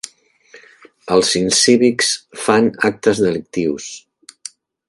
Els incívics fan actes delictius.